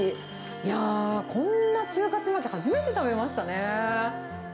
いやー、こんな中華ちまき、初めて食べましたね。